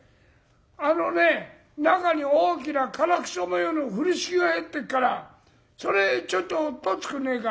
あのね中に大きな唐草模様の風呂敷が入ってっからそれちょっと取っつくんねえか？